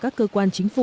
và các cơ quan chính phủ